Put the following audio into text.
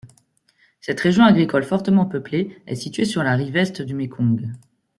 Cette région agricole fortement peuplée est située sur la rive est du Mékong.